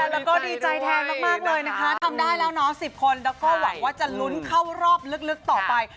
แล้วก็ดีใจแทนมากเลยนะคะทำได้แล้วเนาะ๑๐คนแล้วก็หวังว่าจะลุ้นเข้ารอบลึกต่อไป